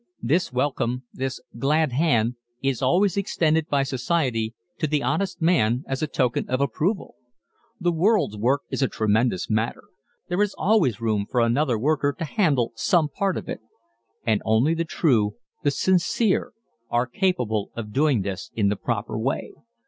This welcome, this "glad hand," is always extended by society to the honest man as a token of approval. The world's work is a tremendous matter. There is always room for another worker to handle some part of it. And only the true, the sincere, are capable of doing this in the proper way.